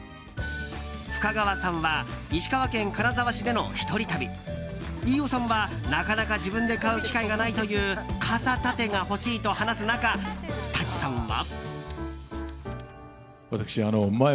深川さんは石川県金沢市での一人旅飯尾さんは、なかなか自分で買う機会がないという傘立てが欲しいと話す中舘さんは。